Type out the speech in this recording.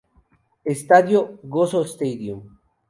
Estadio: Gozo Stadium